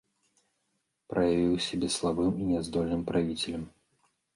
Праявіў сябе слабым і няздольным правіцелем.